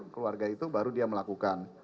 keluarga itu baru dia melakukan